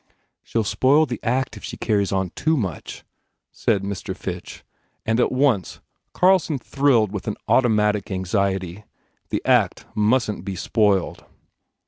"She ll spoil the act if she carries on too much," said Mr. Fitch and at once Carlson thrilled with an automatic anxiety; the act mustn t be spoiled.